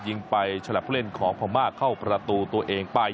ยิงไปฉลับผู้เล่นของพม่าเข้าประตูตัวเองไป